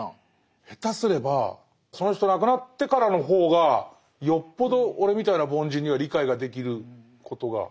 下手すればその人亡くなってからの方がよっぽど俺みたいな凡人には理解ができることが。